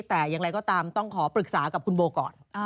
แต่อย่างไรก็ตามต้องขอปรึกษากับคุณโบก่อน